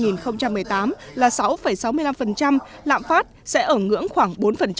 năm hai nghìn một mươi tám là sáu sáu mươi năm lạm phát sẽ ở ngưỡng khoảng bốn